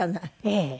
ええ。